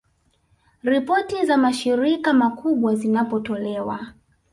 Ripoti za mashirika makubwa zinapotolewa